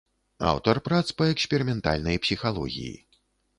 Аўтар прац па эксперыментальнай псіхалогіі.